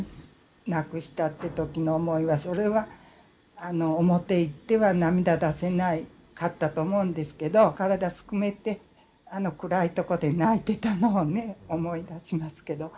亡くしたって時の思いはそれはあの表行っては涙出せなかったと思うんですけど体すくめてあの暗いとこで泣いてたのをね思い出しますけど。